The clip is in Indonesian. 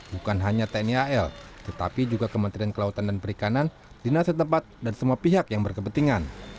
bukan hanya tni al tetapi juga kementerian kelautan dan perikanan dinas setempat dan semua pihak yang berkepentingan